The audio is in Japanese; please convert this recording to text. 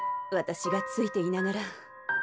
私が付いていながら。